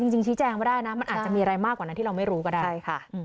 ชี้แจงไม่ได้นะมันอาจจะมีอะไรมากกว่านั้นที่เราไม่รู้ก็ได้ใช่ค่ะ